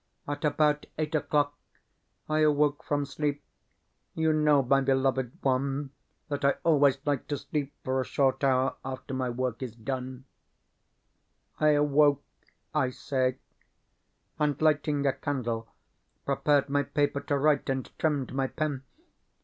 At about eight o'clock I awoke from sleep (you know, my beloved one, that I always like to sleep for a short hour after my work is done) I awoke, I say, and, lighting a candle, prepared my paper to write, and trimmed my pen.